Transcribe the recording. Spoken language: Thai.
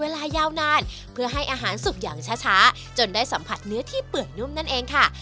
และสัมผัสเนื้อที่เปื่อยนุ่มนั่นเองค่ะ